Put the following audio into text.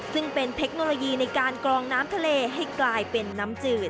ซึ่งเป็นเทคโนโลยีในการกรองน้ำทะเลให้กลายเป็นน้ำจืด